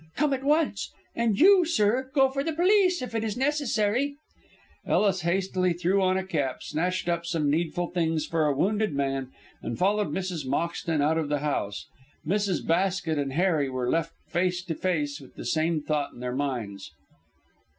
Come at once! And you, sir, go for the police if it is necessary." Ellis hastily threw on a cap, snatched up some needful things for a wounded man, and followed Mrs. Moxton out of the house. Mrs. Basket and Harry were left face to face with the same thought in their minds.